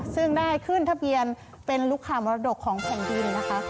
ซึ่งได้ขึ้นทะเบียนเป็นลูกค้ามรดกของแผ่นดินนะคะ